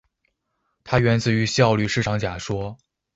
它源自于效率市场假说。